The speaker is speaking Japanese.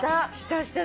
した。